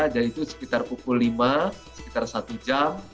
jadi itu sekitar pukul lima sekitar satu jam